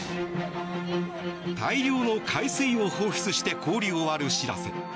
大量の海水を放出して氷を割る「しらせ」。